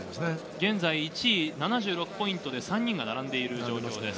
現在１位は７６ポイントで３人が並んでいます。